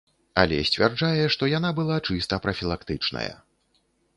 Але сцвярджае, што яна была чыста прафілактычная.